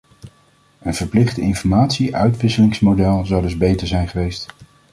Een verplicht informatie-uitwisselingsmodel zou dus beter zijn geweest.